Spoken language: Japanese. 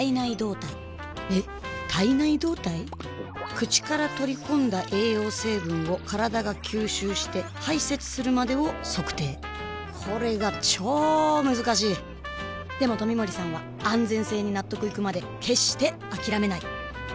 口から取り込んだ栄養成分を体が吸収して排泄するまでを測定これがチョー難しいでも冨森さんは安全性に納得いくまで決してあきらめない！